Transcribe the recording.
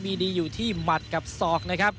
มีดีอยู่ที่หมัดกับศอกนะครับ